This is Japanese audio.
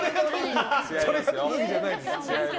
それが特技じゃないです。